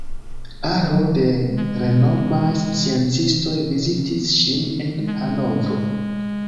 Aro da renomaj sciencistoj vizitis ŝin en Hanovro.